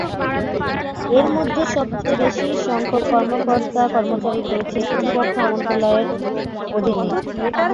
এর মধ্যে সবচেয়ে বেশি সংখ্যক কর্মকর্তা-কর্মচারী রয়েছে প্রতিরক্ষা মন্ত্রণালয়ের অধীনে।